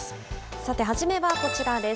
さて初めはこちらです。